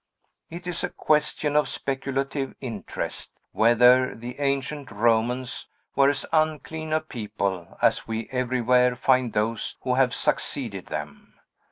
It is a question of speculative interest, whether the ancient Romans were as unclean a people as we everywhere find those who have succeeded them.